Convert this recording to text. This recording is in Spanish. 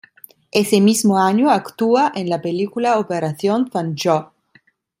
Ese mismo año actúa en la película "Operación Fangio".